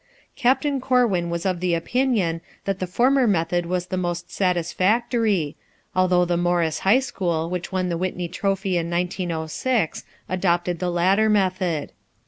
Captain Corwin was of the opinion that the former method was the most satisfactory, although the Morris High School, which won the Whitney trophy in 1906, adopted the latter method.